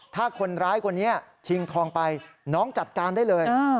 ถ้าคนร้ายคนนี้ชิงทองไปน้องจัดการได้เลย